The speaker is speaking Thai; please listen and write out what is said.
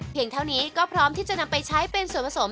เท่านี้ก็พร้อมที่จะนำไปใช้เป็นส่วนผสม